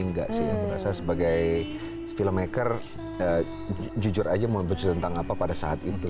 enggak sih aku rasa sebagai filmmaker jujur aja mau bercerita tentang apa pada saat itu